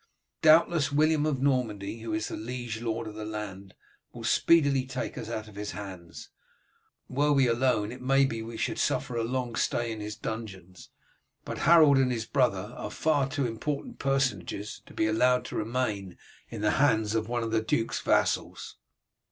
Doubtless William of Normandy, who is the liege lord of the land, will speedily take us out of his hands. Were we alone it may be that we should suffer a long stay in his dungeons, but Harold and his brother are far too important personages to be allowed to remain in the hands of one of the duke's vassals."